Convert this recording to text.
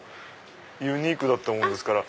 ユニークだったものですから。